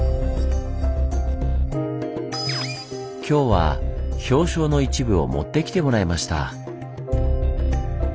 今日は氷床の一部を持ってきてもらいました！